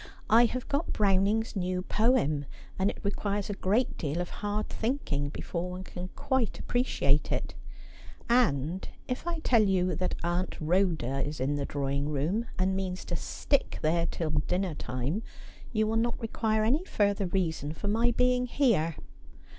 ' I have got Browning's new poem, and it requires a great deal of hard thinking before one can quite appreciate it ; and if I tell you that Aunt Rhoda is in the drawing room, and means to stick there till dinner time, you will not require any further reason for my being here.'